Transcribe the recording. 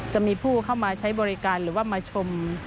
จะมีผู้เข้ามาใช้บริการหรือว่ามาชม